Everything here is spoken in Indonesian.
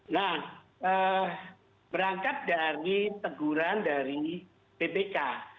nah berangkat dari teguran dari bpk